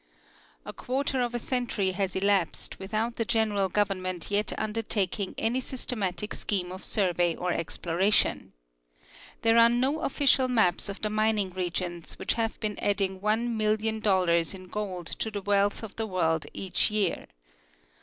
A quarter of a century has elapsed without the general govern ment yet undertaking any systematic scheme of survey or ex ploration. There are no official maps of the mining regians, which have been adding $1,000,000 in gold to the wealth of the world each year.